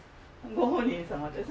ご本人様です。